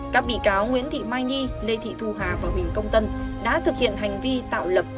các bị cáo nguyễn thị mai nhi lê thị thu hà và huỳnh công tân đã thực hiện hành vi tạo lập